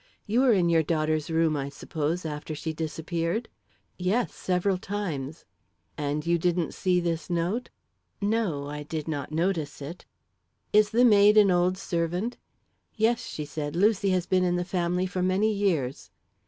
You were in your daughter's room, I suppose, after she disappeared?" "Yes; several times." "And you didn't see this note?" "No; I did not notice it." "Is the maid an old servant?" "Yes," she said; "Lucy has been in the family for many years."